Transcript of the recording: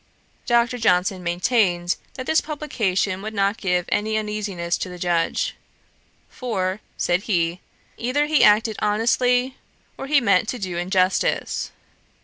Dr. Johnson maintained that this publication would not give any uneasiness to the judge. 'For (said he,) either he acted honestly, or he meant to do injustice.